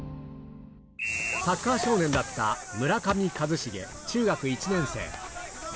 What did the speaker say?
サッカー少年だった村上一成、中学１年生。